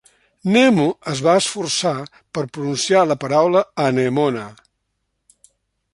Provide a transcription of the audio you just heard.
Nemo es va esforçar per pronunciar la paraula anemona.